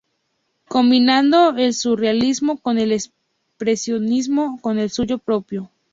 Combinando el surrealismo con el expresionismo con el suyo propio.